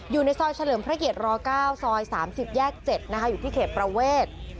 อยู่ในซอยเฉลิมพระเกียร๙ซอย๓๐แยก๗นะคะอยู่ที่เขตประเวท